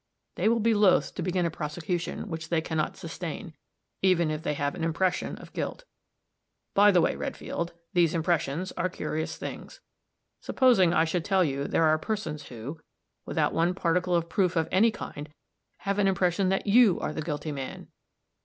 They will be loth to begin a prosecution which they can not sustain, even if they have an impression of guilt. By the way, Redfield, these impressions are curious things! Supposing I should tell you there are persons who, without one particle of proof of any kind, have an impression that you are the guilty man."